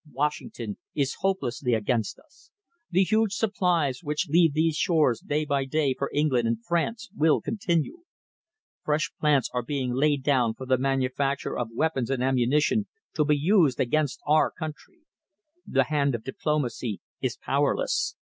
Washington is hopelessly against us. The huge supplies which leave these shores day by day for England and France will continue. Fresh plants are being laid down for the manufacture of weapons and ammunition to be used against our country. The hand of diplomacy is powerless.